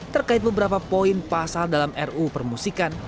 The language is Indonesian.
terkait beberapa poin pasal dalam ruu permusikan